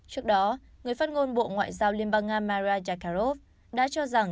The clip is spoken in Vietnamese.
trước đó người phát ngôn bộ ngoại giao liên bang nga maria zakharov đã cho rằng